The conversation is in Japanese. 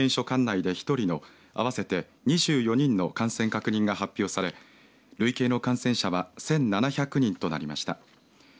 管内で１人の合わせて２４人の感染確認が発表され累計の感染者は１７００人となりました。